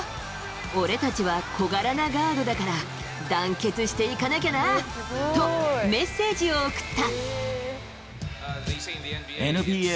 俺たちは小柄なガードだから団結していかなきゃなとメッセージを送った。